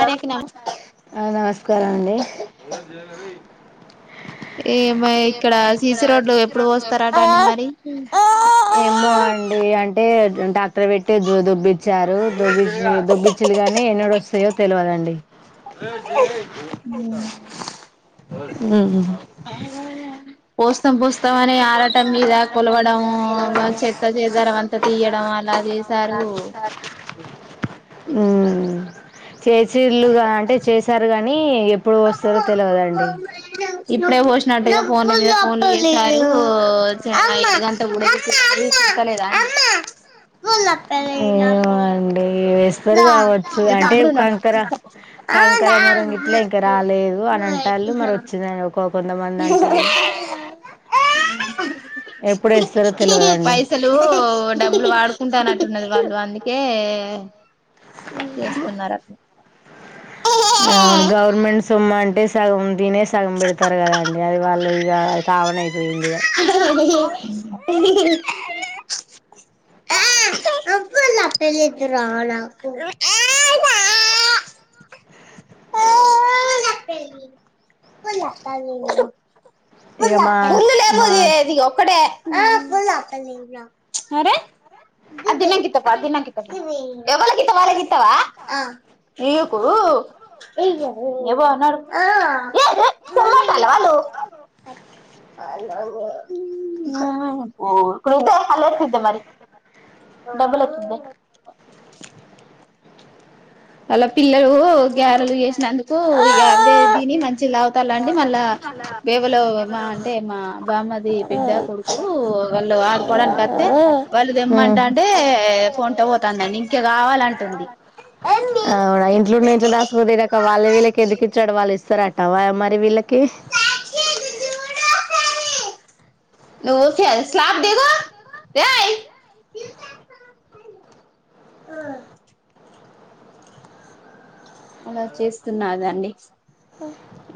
కార్యక్రమం ఆ నమస్కారం అండి ఏమ ఇక్కడ ఏమి ససి రోడ్లు సీసీ ఎప్పుడు రోడ్డు పోస్తారట అండి మరి ఏమో అండి అం టే ట్రాక్టర్ పెట్టి దో దోబ్బిచ్చారు దోబ్బిచ్చి దోబ్బిచ్చిలు గాని ఎన్నోడ వస్తాయో తెల్వదండి ఆలల పోస్తం పోస్తం అనే పోస్తాం ఆడటం పోస్తాం మీద అని ఆడటం కొలవడం మీద కొలవడం చెత్త చేదరం అంత తీయడం అలా చేశారు ఉమ్ చేసిర్లుగా అంటే చేశారు గాని ఎప్పుడు పోస్తారో తెలువదండి ఇప్పుడే భోషనట్టుగా ఫోన్ మీద ఫోన్ చేస్ అమ్మ అమ్మ అమ్మ ఫోలత ర నాకు ఇరు కావచ్చు అంటే కాంకర తీసుకోపో కాంకర మురంగిట్లా ఇంక రాలేదు అని అంటాలు లు మరి వచ్చిందని ఒ కొంత మంది అంటాలు ఎప్పుడేస్తా పైసలు డబ్బులు వాడుకుంటానంటన్నది వాళ్ళు అందుకే కే చేస్తున్నారు అట్లా అవును గవర్నమెంట్ సొమ్మ అంటే సగం తీనే సగం పెడతారు కదాండి అది వాళ్ళు తావన ఉమ్ ఆ రబ నా పెళ్లితు రా నప్పాల ఇక మా పుల్లు లేదు మా ఇది ఒక్కటే అరే ఆ అది తిన్నాక అది తిన్నాక ఎవరికి ఇస్తావు వాళ్లకి ఇస్తావా పో ఇగ పో నడు తోముతల్లా వాళ్లు ఓ హాయ్ మమ్మీ ఇదే మరి అలా ఎత్త డబల్ వచ్చినయ్ అలా పిల్లలు గ్యారెలు చె సినందుకు ఇక అవే దీని మంచి లావతారుండి మళ్ళా ఎవరు మా అవ్వ అంటే మా బామ్మది పెద్ద కొడుకు వాళ్లు ఆడుకోడానికి అత్తే వాళ్ళు దమ్మంటా అంటే కొంట పోతుందండి ఇంకే కావాలంటుంది అవునా ఇంట్లో ఉన్న ఇంట్లో దాసుకోతే అవాయి అమారి విళ్లకి ఉ కే స్లాబ్ దిగు ఏయ్ ఆ అలా చేస్తున్నాది అండి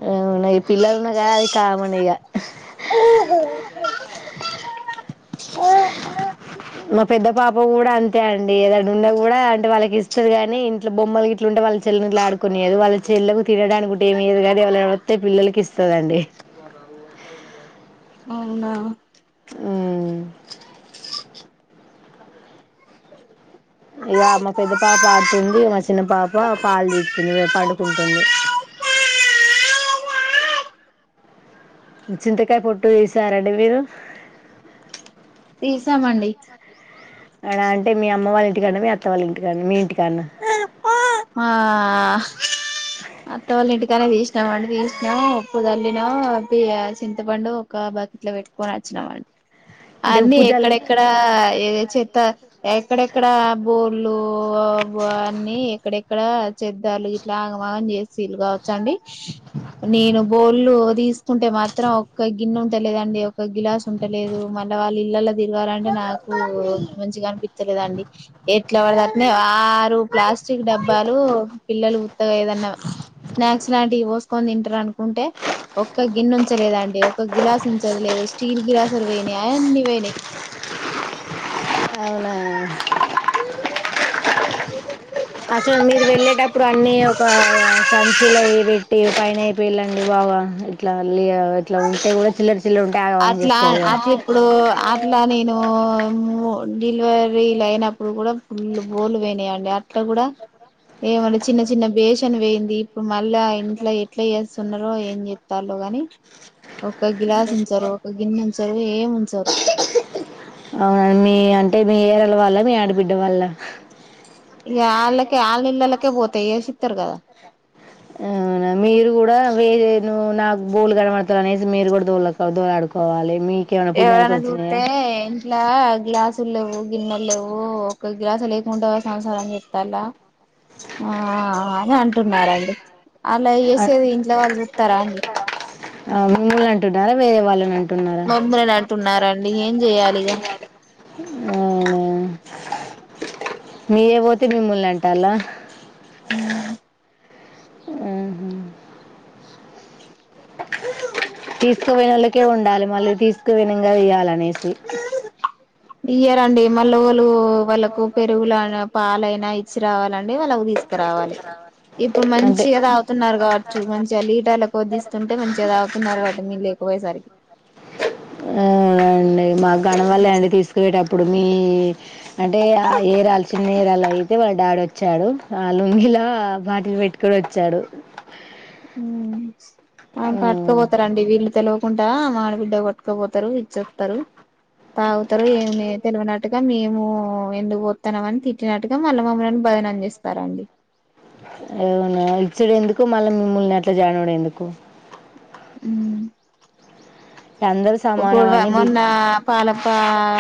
అవునా ఈ పిల్లలు ఉన్నా కాడ అది కామనే పిల్లల సౌండ్ మా పెద్ద పాప కూడా అంతే అండి ఏదన్న ఉన్న కూడా అంటే వాళ్ళకి ఇస్తది కాని ఇంట్లో బొమ్మలు ఇట్లు ఉంటే వాళ్ళు వాళ్ల చెల్లెలు ఇంట్లో ఆడుకొని నీ అది వాళ్ళ చెల్లెకు తినడానికి కూడా ఏమియ్యదు కానీ ఎవలన్న వస్తె పిల్లలకి ఇస్తదండి అవునా అవునా ఉ అ ఇక మా పెద్ద పాప ఆడుతుంది మా చిన్న పాప పాలు చీకుతుంది పండుకుంటుంది పిల్లలు ఏడుపు చింతకాయ పొట్టు తీసారా అండి మీరు తీసామండి అ అంటే మీ అమ్మ వాళ్ళ ఇంటి కాని మీ అత్త వాళ్ళ ఇంటికానీ మీ ఇంటికి అత్త వాల్లింటి ఇక్కనే తీసినాం అండి తీసినా ఉప్పు చల్లిన చింతపండు ఒక బకెట్ లో పెట్టుకొని వచ్చిన వచ్చవండి అంటే అన్నీ ఉప్పు జల్ ఎక్కడెక్కడ ఏద చేత ఎక్కడెక్కడ బోర్లు అనువాన్ని ఎక్కడెక్కడ చెద్దార్లు ఇట్లా ఆగమాగం చేసిలుగా నేను బోల్లు వస్తుంటే మాత్రం ఒక్క గిన్నె ఉంటలేదండి ఒక గిలాస ఉంటలేదు మళ్ళీ వాళ్ళ ఇల్లులు తిరగాలంటే నాకు మంచిగా అనిపిత్తలేదండి ఎట్లా పడితే అట్లనే ప్లాస్టిక్ డబ్బాలు పిల్లలు ఉత్తగా ఏదన్నా స్నాక్స్ లాంటి కొని తింటారు అనుకుంటే ఒక్క గిన్నె ఉంచలేదండి ఒక గిలాస ఉంచది లేదు స్టీల్ గిలాస్లు పోయినాయి ఈగా అన్నీ పోయినాయి అవునా అసలు మీరు వెళ్ళేటప్పుడు అన్ని ఒక సంచిల అ పెట్టి పైన ఏయ్యపోయిళండి బాబు అవును వెళ్ళాలి మళ ఇట్లా ఉంటే కూడా చిల్లర చిల్లరు ఉంటే ఆగం ఆగం అట్లా చేస్తారు కదా అట్లా ఇప్పుడు అట్లా నేను డెలివరీలు అయినప్పుడు కూడా ఫుల్ బోలు పోయినాయండి ఇట్లా కూడా ఏమంటే చిన్న చిన్న బేషన్ వేయింది ఇప్పుడు మల్లా ఆ ఇంట్లో ఎట్లా చే ఏం చేస్తున్నారు ఏం చేస్తున్నారో ఒక గిలాస ఉంచరు ఒక గిన్నె ఉంచరు ఏం ఉంచరు అవునండి మీ అంటే మీ ఏరలు వాళ్ళ మీ ఆడబిడ్డ వాల లేకపోతే వాళ్లకి ఏ సిస్టర్ కదా ఆ మీరు కూడా వేరే నువు నాకు బోల్లు గడపడతలనేసి మీరు కూడ దో దోలాడుకోవాలె మీ ఎవరెన్నా చూత్తె ఇట్ల గ్లాసుల్లు లేవు గిన్నెలు లేవు ఒక గ్లాసు లేకుండా సంసారం చెత్తందా ఆ అని అంటున్నారండి అలా చేసేది ఇంట్లో వాళ్ళు చూత్తరా అండి టున్నార మమ్మల్ని అవున అంటున్నారండి ఏం చెయాలిగా నేయ్య పోతే మిమ్ముల్ని అంటల్లా ఉమ్ ఆహా తీసుకు పోయిన వాళ్ళకే ఉండాలి మళ్ళీ తీసుకుపోయినంగా ఇయ్యాలనేసి ఇయ్యరండి మళ్ళ వాళ్ళు వాళ్ళలకు పెరుగులనా పాలయినా ఇచ్చి రావాలండి వాళ్ళకు తీ స్కురావాలె ఇప్పుడు మంచి అంటే ఏ తాగుతున్నారు కావచ్చు మంచిగా లీటర్లకు కొద్దీస్తుంటే మంచి అవుతున్నారు కాబట్టి మీరు లేకపోయేసరికి అవును అండి మాకు [unintelligible] అన్ని తీసుకు పోయెటప్పుడు మీ అంటే ఏరాలు చిన్న ఏరాలు అయితే వాళ్ళ డాడీ వచ్చాడు ఆ లుంగిలా బాటిల్ పెట్టుకొని వచ్చాడు ఆ మ్మ్ పట్టుకపోతారంండి వీళ్ళు తెల్వకుండా మాడి బిడ్డ కొట్ట కపోతారు ఇచ్చస్తారు తాగుతారు ఏ టుగా మేము ఎందుకు పోస్తాన్నావ్ అని తిట్టినట్టుగా మళ్ళీ మమ్మల్ని బజన అందిస్తారుడి అవున ఇచ్చడు ఎందుకు మళ్ళ మిమ్మల్ని అట్లా జనవడం ఎందుకు ఉమ్ అందరు సమానం అని బి ఒకోళ్ళమొన్న పాలప్ప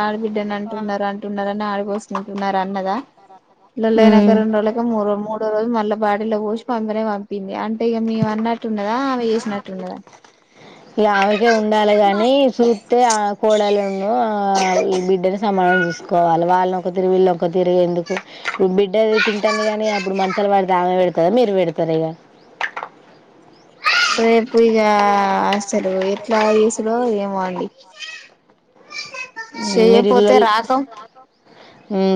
ఆడబిడ్డని అంటున్నారు అంటున్నారని ఆడ పోస్కుంటున్నారు అన్నదా ఇల్లలోనైక మ్మ్ రెండు రోజులక మూ మూడో రోజు మళ్ళ బాీలోూచ పంపనే పంపింది అంటే అంటే ఇగ మేము అన్నట్టున్నదా అమె చేసినట్టున్నదా తే ఆ కోడలును ఆ ఈ బిడ్డని సమానం చూసుకోవాల్ వాళ్ళని ఒక తీరు వీళ్ళ ఒక తీరు ఎందుకు ఇప్పుడు బిడ్డది తింటుంది గానీ అప్పుడు మంచాలు పడితే ఆమె పెడతుందా మీరు పెడతారు ఇక [unintelligible] రేపు ఇగా అస్సలు ఎట్లా తీసుడో ఏమో అండి [unintelligible] మీరి చేయపోతే ఇల్లల్ రాకం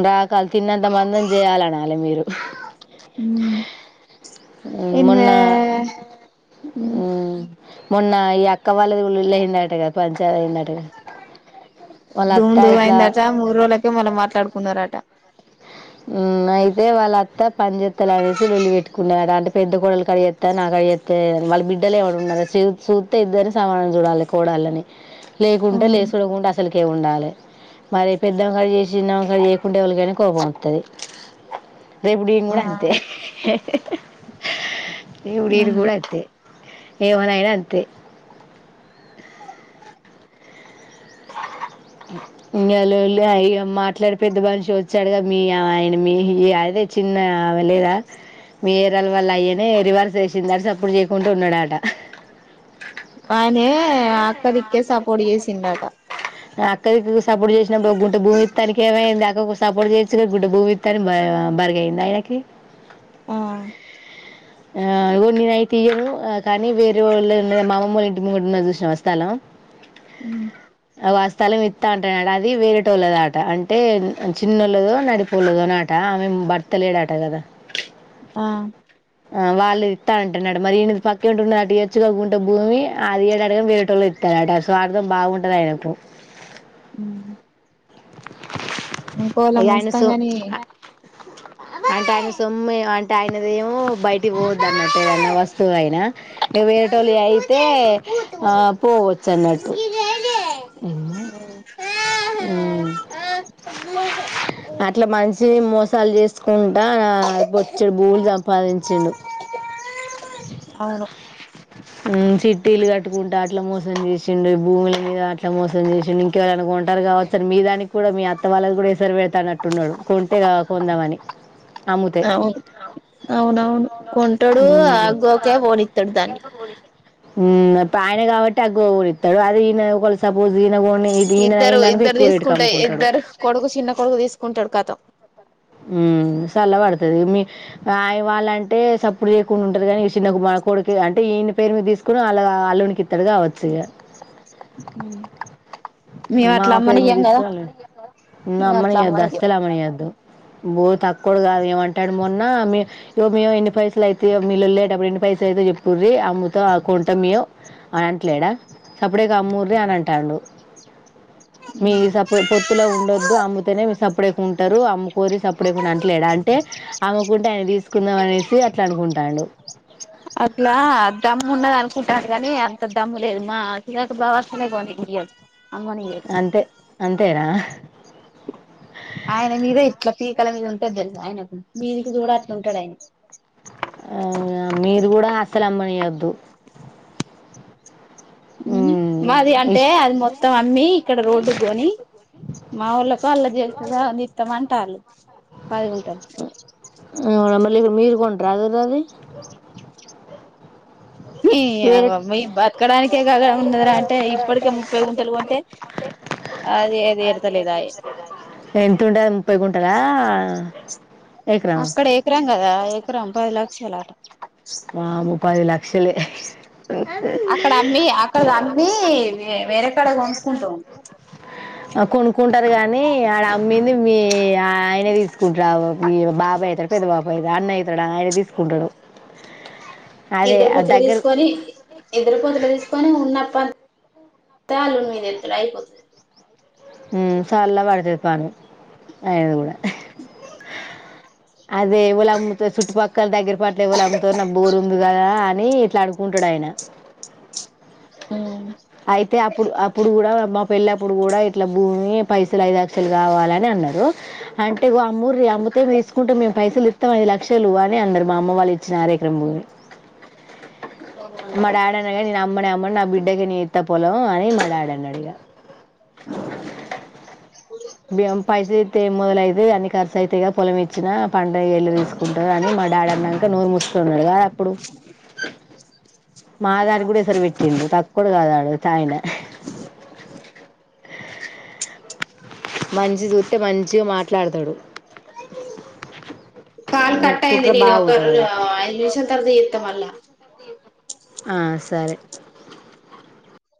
రాకల తిన్నంత మందం చేయాలనా లె మీరు మ్ మోన్న ఇన్వే ఉమ్ మొన్న ఈ అక్క వాళ్ళదిల్ళ అయిందటగ కదా పంచయి అయిందంటగా ధూమ్ ధూమ్ అయిందట మూడ్ రోజ్లకే మళ్ళ మాట్లాడుకున్నారట అయితే వాళ్ళ అత్తా పనించెత్తలనేసి లొల్లి పెట్టుకున్నదట అలాంటే పెద్ద కోడలు అడి చేస్తా నాకు అడిగిస్తే వాళ్ళ బిడ్డలు ఎవడు ఉన్నరా చూస్తే ఇద్దరిని అని సమాధనం చూడాలి కోడళ్ళని లేకుంటే లే చూడకుంటడా అసలకే ఉండాలి మరి పెద్దవంకాడ చేసి చిన్నవంకాడ చేయకుంటే ఎవళ్ళకైన కోపం వస్తాది రేప్ నేన్ ఆ కూడ అంతే ఇగ మీరు కూడ అంతే ఎవరైనా అంతే [unintelligible] ఇంగ వాళ్ళు వెళ్ళి అయ మాట్లాడి పెద్ద మనిషి వచ్చాడుగా మీ ఆయన మీ ఈ అద చిన్న ఆమె లేద వేరేవాల్ ఆయనె చిన్న సప్పుడు చేయకుంటూ ఉన్నడట ఆయనే అక్కదిక్కే సపోర్ట్ చేసిండట అ క్క సపోర్ట్ చేసినక ఒక గుంట భూమిత్తానికి ఏమైందె ఒక సపోర్ట్ చేసి గుంట భూమిత్త్తాన్ని [unintelligible] బరిగాంది ఎండాయనకి ఆ ఆ నేను అయి తీయను కానీ వేరే వాళ్ళు మామమ్ వాళ్ళ ఇంటి ము మజూ శ్ర వస్తాల అ వా స్థలం ఇత్త అంటట అది వేరేట వాళ్ళద ఆట అంటే చిన్నోళ్ళదో నడిపోలేదో అనిట ఆమె భర్తలేడాట కదా ఆ ఆ వాళ్ళు ఇస్తాన అంట అ నాడు మరి ఈది పక్కి ఉంటున్న అటు ఎచు కాకుంటే భూమి అదిేకం వీట ఇత్తాట స్వార్థం బాగుండద అయినప్పు ఇనుకోవలా ఇగ ఆయన ముుతాం సో ని [unintelligible] అంటే ఆయన సొమ్ ఏ అంటే ఆయనద ఏమో బయటికి పోవద్ద అన్నట్టు ఏదన్నా వస్తువు ఆయన వటోలు అయితే ఆ పోవచ్చు అన్నట్టు ఉమ్ ఆ అట్లా మంచి మోసాలు చేసుకుంట బొచ్చడు బూల్ ఉత్పాదించిండుట్ అవును స్టీలు కట్టుకుంటే అట్లా మోసం చేసిండే భూముల మీద అట్లా మోసం చేసిండడు ఇంకెవళ అనుకుంటారు కాబట్టి అసలు మీ దానికి కూడా మీ అత్త వాళ్ళకి కూడా ఇసరి వెళ్తానట్టున్నాడు కొంటే కొందామని అముద అవును అవునవును కొంటాడు ఆగోకే పోఓనిత్తాడు దాన్ని ఉ అ ఆయన కాబట్టి అ గ ఇస్తాడు అది ఈన ఒక సపోజ్ ఇది ఎక్కువ రేటుకి తీసుకుంటా అమ్ముకుంటాడు. ఇద్దరు కొడుకు చిన్న కొడుకు తీసుకుంటాడు కథ సల్ల పడుతుది మీ ఆ వాళ్ళ అంటే సప్పుడు చేయకుండా ఉంటారు కానీ చిన్న కుమారు కొడుకి అంటే ఈయన పేరు మీద తీసుకుొని అలా అల్లునికి ఇత్తడుగా అవచ్చు ఇ అ మా పేరు మీద తీసుకువాలి మేము అమ్మని అట్లా వయ్యొద్దు అమ్మనియ్యం అసలు అమ్మ వయ్యొద్దు బో తక్కువడు కాదు ఏమంటాడు మొన్నో మేము ఎన్ని పైసలు అయితే మీలులేటప్పుడు పైస అయితే చెప్పురీ అమ్తో కొంట మేము అని అంటలేడా అప్పుడేక అమ్మూరే అని అంటాడు మీ సప్పు పొత్తులో ఉండొద్దు అమ్ముతేనే మీ సప్పుడ ఎకు ఉంటారు అమ్ము కోరిసి అప్పుడకుండా అట్లేడు అంటే అమ్ముకుంటే ఆయన తీసుకుందాం అనేసి అట్లా అనుకుంటాడు అట్లా దమ్ము ఉన్నది అనుకుంటాడు కానీ అంత దమ్ము లేదు మా చరాక బాగా వర్సనే పోనీ అ అంతే అంతేనా ఆయన మీరే ఇట్లా పీకా అళ మీద ఉంటది తెలుసు ఆయనకు మీదికి చూడ అట్ంటాడు ఆయన ఆ మీరు కూడా అసలు అమ్మనీయద్దు మ్మ్ మాది అంటే ఇష్ అది మొత్తం అమ్మి ఇక్కడ రోడ్డు కొని మా ఊళ్ళకి అళ్ళ చేస్తేా నిత్తాంమంటళ్ళు పదిగుంటలు నెబర్లు ఇక్కడ మీరు కొన్ని రాదు అది వేరే బతకడానికే కా ఉన్నదరా అంటే ఇప్పటికే ముప్పై గుంటలు కొంటే అది అది ఎడతలేదాయే ఎంత ఉండే ముప్పై గుంటలా ఆ అక్కడ ఎకరం కదా ఎకరం పది లక్షలా వామ్మో పది లక్షలే అక్కడ అమ్మి అక్కడ అమ్మి వేరేక్కడ ఉంచుకుంటాం కొనుక్కుంటారు కాగానీ ఆడ అమ్మింది మీ ఆ ఆయనే తీసుకుంటారు ఈ బాబాయ అవుతాడు పెద్ద బాబాయ అ అన్న అవుతాడు ఆయన తీసుకుంటాడు అదే ఇద్దరు ఆ పొత్తులు దగ్గర తీసుకొని ఇద్దరు పొత్తులు తీసుకొని ఉన్నప్పుడు ప మీద ఏతలు అయిపోతది [unintelligible] ఉమ్ సల్ల పడ్డది పానం ఐదు ఆ అ అదే ఎవలు అమ్ముతరు చుట్టుపక్కల దగ్గరపాట్ల ఎవళ అమ్ముతరు నాకు బోరు ఉంది కదా అని ఇట్లా అడుకుంటాడు ఆయన మ్మ్ అయితే అప్పుడు అప్పుడు కూడా పెళ్ళప్పుడు కూడా ఇట్లా భూమి పైసలు ఐదు లక్షలు కావాలని అన్నారు అంటే అమ్మూర్ అ ఇస్తే తీసుకుంటము మేము పైసలు ఇస్తాంది లక్షలు అని అందరు మా అమ్మ వాళ్ ఇచ్చిన అర ఎక్రం భూమి మా డాడనేగా నేను అమ్మనే అమ్మను నా బిడ్డకి న అట్ట పోలము అని మడాడి అన్నాడు ఇగ పైసలు అయితే మొదలైథై అన్ని ఖర్చు అతతేగా పొలం ఇచ్చినా పండగ ఎళ్ళ తీసుకుంటారు అని మా డాడ అన్నాక నోరు మూసుకున్నాడు గదా అప్పుడు మా దానికి కూడా ఎసరు పెట్టిండు తక్కువడు కాదాడు తయినా మంచి చుతే మంచిగా మాట్లాడతాడు. కాల్ కట్ అయింది కుట్ర నేను ఒక బాగుంటుంది ఆడ. ఐదు నిమిషాల తర్వాత ఇస్తా మళ్ళ ఆ సరే